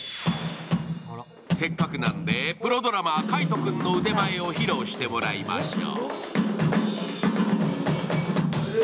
せっかくなので、プロドラマー・Ｋａｉｔｏ君の腕前を披露してもらいましょう。